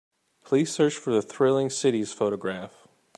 Please search for the Thrilling Cities photograph.